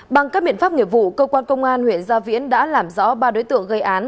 bằng các biện pháp nghiệp vụ cơ quan công an huyện gia viễn đã làm rõ ba đối tượng gây án